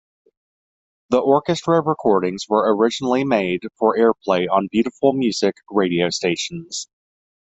The Orchestra recordings were originally made for airplay on "beautiful music" radio stations.